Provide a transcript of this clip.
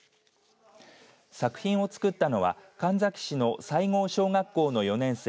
作品を作ったのは神埼市の西郷小学校の４年生